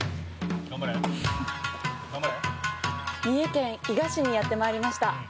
三重県伊賀市にやってまいりました。